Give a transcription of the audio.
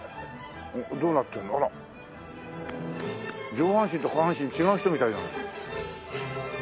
上半身と下半身違う人みたいだね。